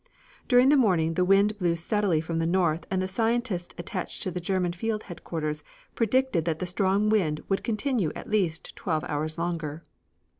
During the morning the wind blew steadily from the north and the scientists attached to the German Field Headquarters predicted that the strong wind would continue at least twelve hours longer.